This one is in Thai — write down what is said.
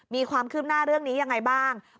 มีความคืบหน้าเรื่องนี้ยังไงบ้าง